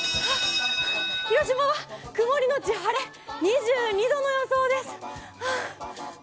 広島は曇りのうち晴れ２２度の予想です。